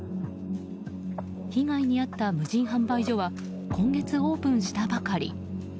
被害に遭った無人販売所は今月オープンしたばかり。